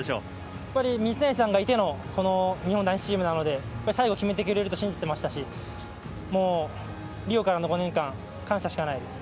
やっぱり水谷さんがいての、この日本男子チームなので、やっぱり最後決めてくれると信じてましたし、もう、リオからの５年間、感謝しかないです。